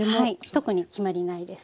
特に決まりないです。